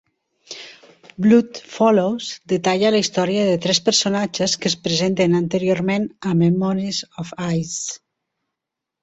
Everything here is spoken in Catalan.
"Blood Follows" detalla la història de tres personatges que es presenten anteriorment a "Memories of Ice".